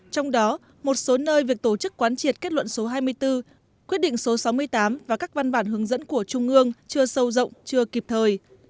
trong đó một số nơi việc tổ chức quán triệt kết luận số hai mươi bốn quyết định số sáu mươi tám và các văn bản hướng dẫn của trung ương chưa sâu rộng chưa kịp thời